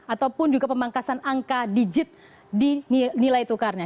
ataupun juga pemangkasan angka digit di nilai tukarnya